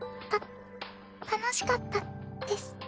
た楽しかったです。